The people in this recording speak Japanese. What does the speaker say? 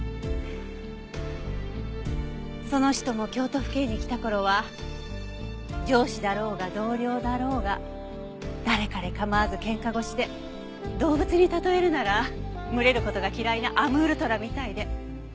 その人も京都府警に来た頃は上司だろうが同僚だろうが誰彼構わず喧嘩腰で動物に例えるなら群れる事が嫌いなアムールトラみたいで。